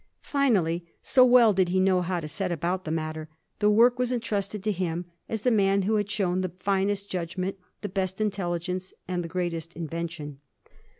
Finally so well did he know how to set about the matter the work was entrusted to him, as the man who had shown the finest judgment, the best intelligence, and the greatest invention.